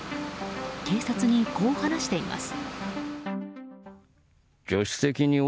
警察にこう話しています。